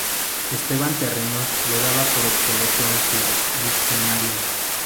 Esteban Terreros lo daba por obsoleto en su "Diccionario".